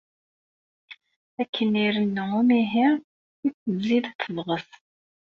Akken irennu umihi i tettzid tebɣes.